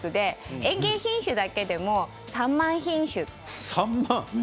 園芸品種だけでも３万品種。